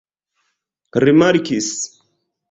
rimarkis